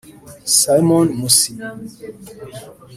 Simon Mussie